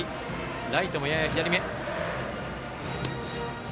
ライトも、やや左め。